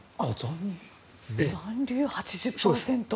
残留が８０％。